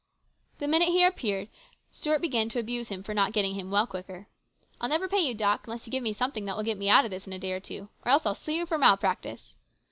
The minute he appeared, Stuart began to ah him for not getting him well quick 1 " I'll never pay you, Doc., unless you give m< omething that will get me out of this in a day or two. Or else I'll sue you for malpractice